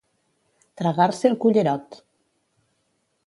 Tragar-se el cullerot.